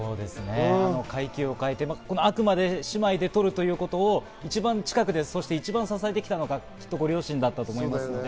階級をかえて、あくまで姉妹で取るということを一番近くでそして支えてきたのが、きっとご両親だったと思います。